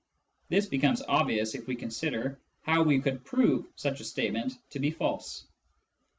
(This becomes obvious if we consider how we could prove such a statement to be false.)